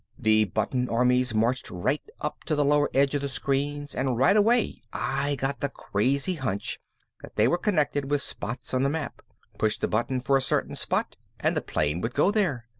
The button armies marched right up to the lower edge of the screens and right away I got the crazy hunch that they were connected with spots on the map. Push the button for a certain spot and the plane would go there!